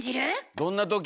どんなとき。